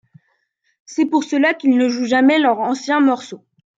C'est pour cela qu'il ne jouent jamais leurs anciens morceaux.